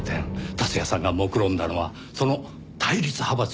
達也さんがもくろんだのはその対立派閥への鞍替えです。